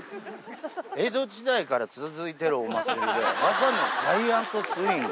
江戸時代から続いてるお祭りで、技名、ジャイアントスイング？